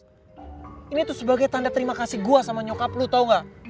ini tuh sebagai tanda terima kasih gue sama nyokap lu tau gak